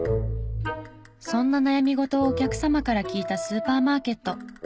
そんな悩み事をお客様から聞いたスーパーマーケット。